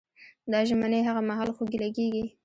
دا ژمنې هغه مهال خوږې لګېږي.